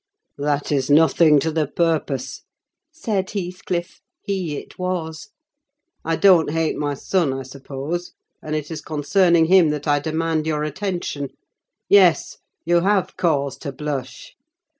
"That is nothing to the purpose," said Heathcliff. (He it was.) "I don't hate my son, I suppose; and it is concerning him that I demand your attention. Yes; you have cause to blush.